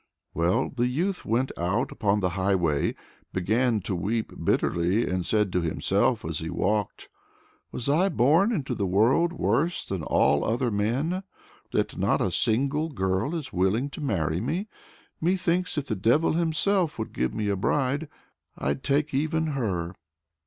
Well, the youth went out upon the highway, began to weep very bitterly, and said to himself as he walked: "Was I born into the world worse than all other men, that not a single girl is willing to marry me? Methinks if the devil himself would give me a bride, I'd take even her!"